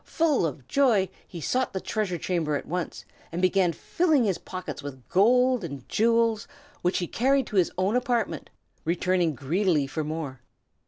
Full of joy, he sought the treasure chamber at once, and began filling his pockets with gold and jewels, which he carried to his own apartment, returning greedily for more.